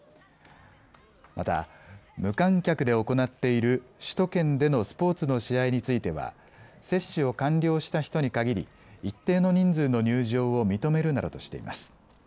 また無観客で行っている首都圏でのスポーツの試合については接種を完了した人に限り一定の人数の入場を認めるなどとしています。